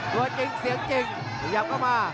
ตัวจริงเสียงจริงขยับเข้ามา